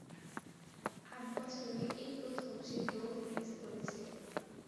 আট বছরে এই প্রথম সে ড্রোভ মিস করেছে।